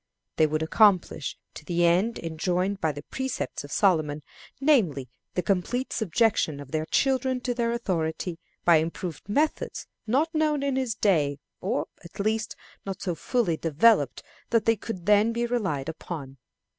They would accomplish the end enjoined by the precepts of Solomon, namely, the complete subjection of their children to their authority, by improved methods not known in his day, or, at least, not so fully developed that they could then be relied upon.